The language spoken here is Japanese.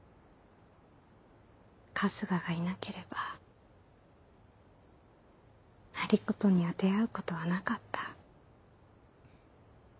春日がいなければ有功には出会うことはなかった。